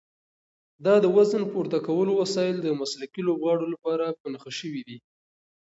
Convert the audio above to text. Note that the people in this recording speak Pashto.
دا د وزن پورته کولو وسایل د مسلکي لوبغاړو لپاره په نښه شوي دي.